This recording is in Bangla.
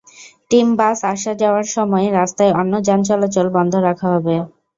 টিম বাস আসা-যাওয়ার সময় রাস্তায় অন্য যান চলাচল বন্ধ রাখা হবে।